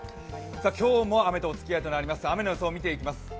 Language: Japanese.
今日も雨とおつきあいとなりますが、雨の様子を見ていきます。